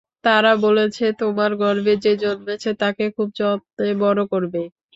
তারা বলেছে, তোমার গর্ভে যে জন্মেছে, তাকে খুব যত্নে বড় করবে।